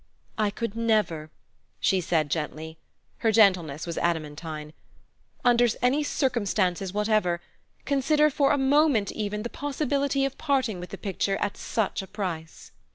"I could never," she said gently her gentleness was adamantine "under any circumstances whatever, consider, for a moment even, the possibility of parting with the picture at such a price."